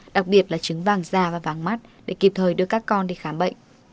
đặc biệt là trứng vàng da và vàng mắt để kịp thời đưa các con đi khám bệnh